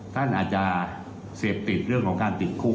ท่านอาจ่าเสพติดไว้ของการติดคุก